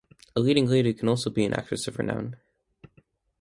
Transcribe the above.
A leading lady can also be an actress of renown.